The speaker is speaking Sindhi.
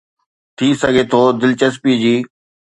ٿي سگهي ٿو دلچسپي جي.